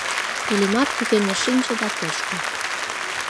Иллимар пӱкеныш шинче да кочко.